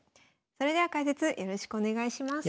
それでは解説よろしくお願いします。